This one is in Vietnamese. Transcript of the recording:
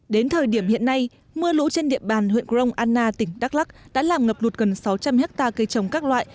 đến thời điểm hiện nay mưa lũ trên địa bàn huyện grong anna tỉnh đắk lắc đã làm ngập lụt gần sáu trăm linh hectare cây trồng các loại